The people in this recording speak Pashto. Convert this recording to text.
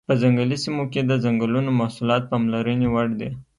په ځنګلي سیمو کې د ځنګلونو محصولات پاملرنې وړ دي.